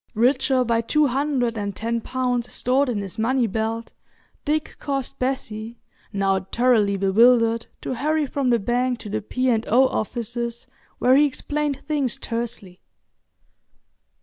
Richer by two hundred and ten pounds stored in his money belt, Dick caused Bessie, now thoroughly bewildered, to hurry from the bank to the P. and O. offices, where he explained things tersely.